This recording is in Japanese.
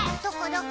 どこ？